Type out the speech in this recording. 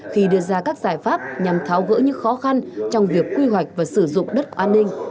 khi đưa ra các giải pháp nhằm tháo gỡ những khó khăn trong việc quy hoạch và sử dụng đất an ninh